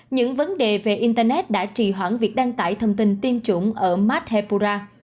những vấn đề về internet đã trì hoãn việc đăng tải thông tin tiêm chủng ở madhepura